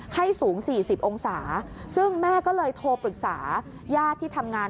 ไข้สูง๔๐องศาซึ่งแม่ก็เลยโทรปรึกษาญาติที่ทำงาน